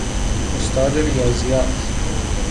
استاد ریاضیات